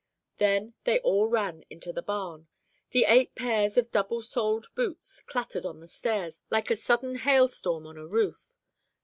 Then they all ran into the barn. The eight pairs of double soled boots clattered on the stairs like a sudden hail storm on a roof.